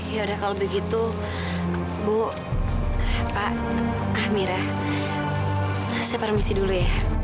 ya udah kalau begitu bu pak amira saya permisi dulu ya